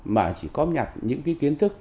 mà chỉ có nhặt những cái kiến thức